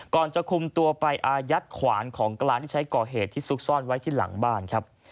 จะคุมตัวไปอายัดขวานของกลางที่ใช้ก่อเหตุที่ซุกซ่อนไว้ที่หลังบ้านครับ